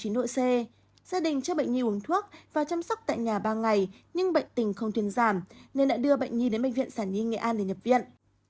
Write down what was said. gia đình cho bệnh nhi uống thuốc và chăm sóc tại nhà ba ngày nhưng bệnh tình không thuyền giảm nên đã đưa bệnh nhi đến bệnh viện sản nhi nghệ an để nhập viện